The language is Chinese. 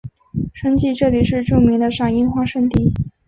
春季这里是著名的赏樱花胜地。